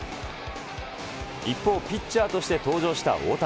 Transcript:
一方、ピッチャーとして登場した大谷。